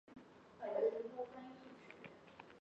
原为贾赦的丫环。